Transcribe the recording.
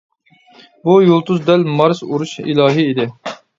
بۇ يۇلتۇز دەل مارس-ئۇرۇش ئىلاھى ئىدى.